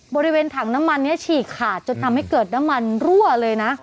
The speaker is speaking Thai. บริเวณถังน้ำมันนี้ฉีกขาดจนทำให้เกิดน้ำมันรั่วเลยนะ